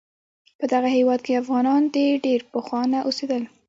په دغه هیواد کې افغانان د ډیر پخوانه اوسیدل